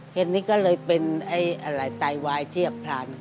เพราะฉะนั้นก็เลยเป็นไอ้ไตวายเจียบครัน